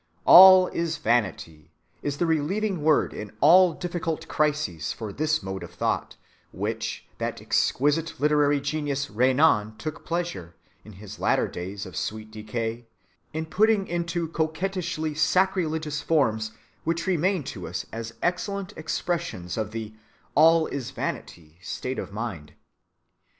"All is vanity" is the relieving word in all difficult crises for this mode of thought, which that exquisite literary genius Renan took pleasure, in his later days of sweet decay, in putting into coquettishly sacrilegious forms which remain to us as excellent expressions of the "all is vanity" state of mind.